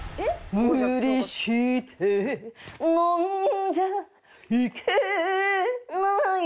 「無理して飲んじゃいけないと」